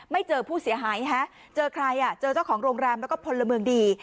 ไม่เจอผู้เสียหายฮะเจอใครอ่ะเจอเจ้าของโรงแรมแล้วก็พลเมืองดี